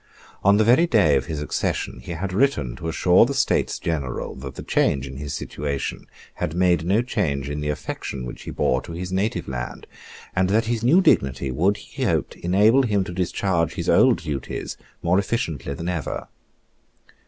On the very day of his accession he had written to assure the States General that the change in his situation had made no change in the affection which he bore to his native land, and that his new dignity would, he hoped, enable him to discharge his old duties more efficiently than ever.